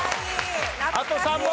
あと３問！